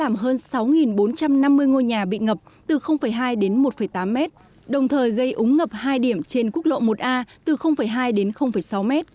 mưa lũ đã làm hơn sáu bốn trăm năm mươi ngôi nhà bị ngập từ hai đến một tám mét đồng thời gây úng ngập hai điểm trên quốc lộ một a từ hai đến sáu mét